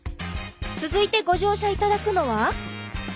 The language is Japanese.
続いてご乗車頂くのは？